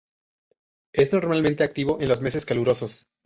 Es normalmente activo en los meses calurosos.